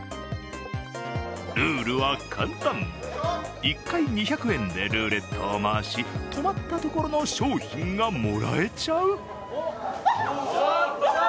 ルールは簡単、１回２００円でルーレットを回し、止まったところの商品がもらえちゃう。